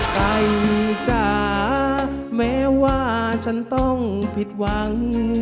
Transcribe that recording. ไก่จ๋าแม้ว่าฉันต้องผิดหวัง